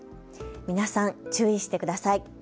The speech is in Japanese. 皆さん、注意してください。